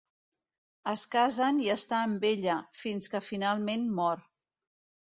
Es casen i està amb ella, fins que finalment mor.